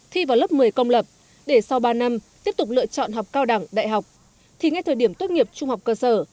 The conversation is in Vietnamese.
thi vào lớp một mươi công lập để sau ba năm tiếp tục lựa chọn học cao đẳng đại học thì ngay thời điểm tốt nghiệp trung học cơ sở